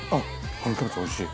春キャベツおいしい。